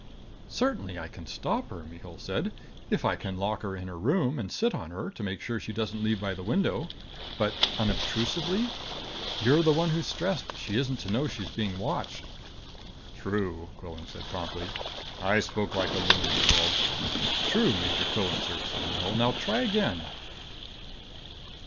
"Certainly I can stop her," Mihul said. "If I can lock her in her room and sit on her to make sure she doesn't leave by the window. But 'unobtrusively?' You're the one who stressed she isn't to know she's being watched." "True," Quillan said promptly. "I spoke like a loon, Mihul." "True, Major Quillan, sir," said Mihul. "Now try again."